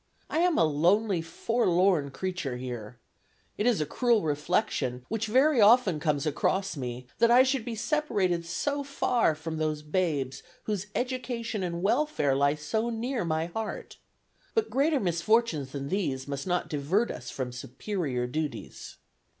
I am a lonely, forlorn creature here. ... It is a cruel reflection, which very often comes across me, that I should be separated so far from those babes whose education and welfare lie so near my heart. But greater misfortunes than these must not divert us from superior duties.